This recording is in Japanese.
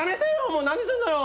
もう何すんのよ！